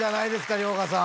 遼河さん。